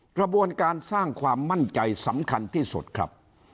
กระบวนการสร้างความมั่นใจสำคัญที่สุดครับ